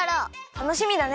たのしみだね！